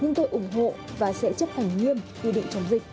nhưng tôi ủng hộ và sẽ chấp ảnh hưởng